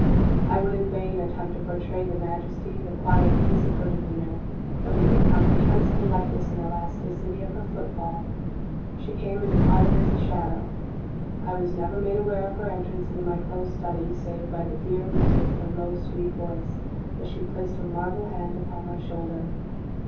I would in vain attempt to portray the majesty, the quiet ease of her demeanor, or the incomprehensible lightness and elasticity of her footfall. She came and departed as a shadow. I was never made aware of her entrance into my closed study, save by the dear music of her low sweet voice, as she placed her marble hand upon my shoulder.